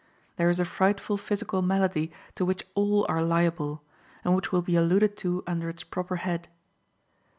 There is a frightful physical malady to which all are liable, and which will be alluded to under its proper head.